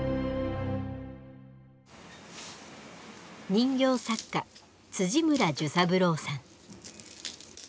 人形作家村寿三郎さん。